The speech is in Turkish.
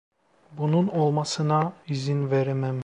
Bunun olmasına izin veremem.